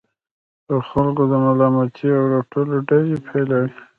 پر خلکو د ملامتۍ او رټلو ډزې پيلوي.